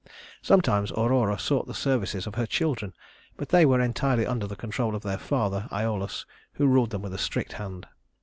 Sometimes Aurora sought the services of her children, but they were entirely under the control of their father Æolus who ruled them with a strict hand.